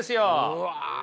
うわ。